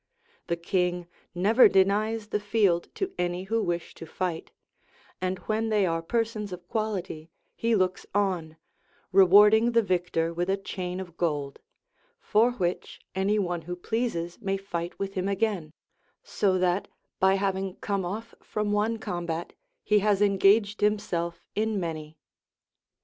The king never denies the field to any who wish to fight; and when they are persons of quality; he looks on, rewarding the victor with a chain of gold, for which any one who pleases may fight with him again, so that, by having come off from one combat, he has engaged himself in many.